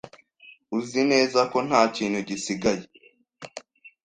Uzi neza ko nta kintu gisigaye?